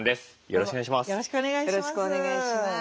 よろしくお願いします。